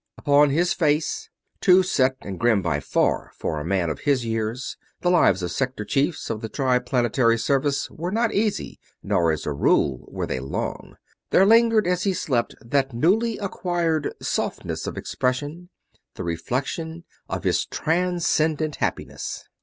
Upon his face, too set and grim by far for a man of his years the lives of Sector Chiefs of the Triplanetary Service were not easy, nor as a rule were they long there lingered as he slept that newly acquired softness of expression, the reflection of his transcendent happiness.